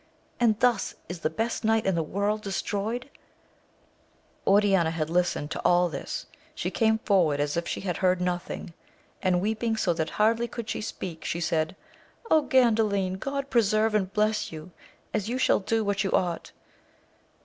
and thus is the best knight in the world destroyed ! Oriana had listened to all this : she came forward as if she had heard nothing ; and weeping, so that hardly could she speak, she said, Gandalin ! God preserve and bless you, as you shall do what you oaght